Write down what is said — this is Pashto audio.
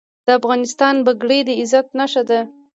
د افغانستان پګړۍ د عزت نښه ده